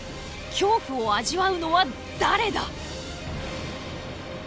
恐怖を味わうのは誰だ？